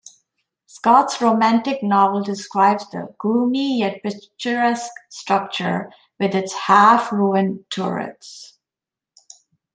Scott's romantic novel describes the "gloomy yet picturesque structure", with its "half-ruined turrets".